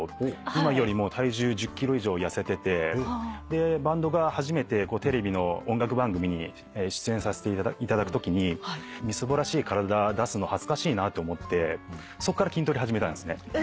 今よりも体重１０ｋｇ以上痩せててでバンドが初めてテレビの音楽番組に出演させていただくときにみすぼらしい体出すの恥ずかしいなって思ってそっから筋トレ始めたんですね。